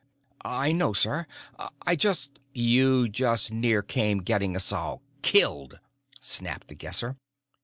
"I know, sir; I just " "You just near came getting us all killed!" snapped The Guesser.